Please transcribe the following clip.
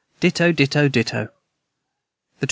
Ditto Ditto Ditto. the 25.